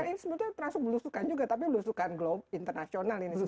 ini sebetulnya langsung blusukan juga tapi blusukan global internasional ini sebetulnya